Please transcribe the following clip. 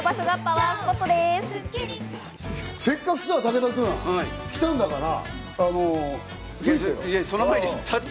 せっかく武田君、来たんだから。